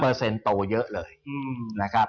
เปอร์เซ็นต์โตเยอะเลยนะครับ